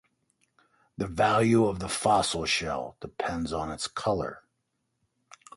The value of the fossil shell depends on its color.